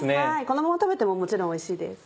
このまま食べてももちろんおいしいです。